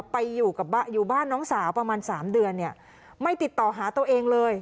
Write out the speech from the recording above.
ไปอยู่บ้านน้องสาวประมาณ๓เดือนไม่ติดต่อหาตัวเองเลย